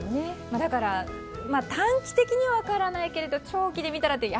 だから短期的には分からないけど長期で見たらと。